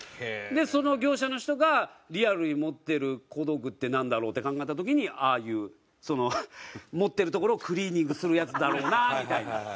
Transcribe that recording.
その業者の人がリアルに持ってる小道具ってなんだろう？って考えた時にああいうその持ってる所をクリーニングするやつだろうなみたいな。